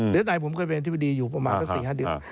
ดีเอสไอผมเคยเป็นทฤษฎีอยู่ประมาณ๔๕เดือน